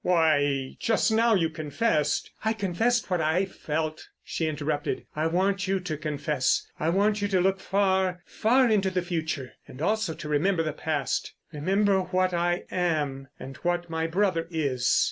"Why, just now you confessed——" "I confessed what I felt," she interrupted. "I want you to confess. I want you to look far, far into the future ... and also to remember the past. Remember what I am—and what my brother is."